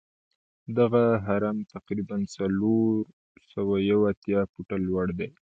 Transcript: دغه هرم تقریبآ څلور سوه یو اتیا فوټه لوړ دی.